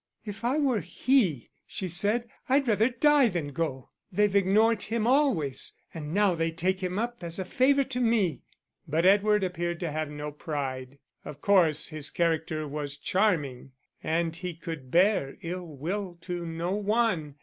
"If I were he," she said, "I'd rather die than go. They've ignored him always, and now they take him up as a favour to me." But Edward appeared to have no pride; of course his character was charming, and he could bear ill will to no one.